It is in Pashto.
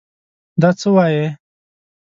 دا څه وايې!